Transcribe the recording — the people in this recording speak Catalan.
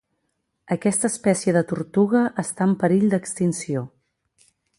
Aquesta espècie de tortuga està en perill d'extinció